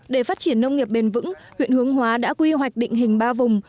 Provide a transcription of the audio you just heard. để phát triển nông nghiệp bền vững huyện hướng hóa đã quy hoạch định hình ba vùng